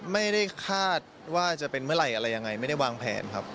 ไม่ได้คาดว่าจะเป็นเมื่อไหร่อะไรยังไงไม่ได้วางแผนครับ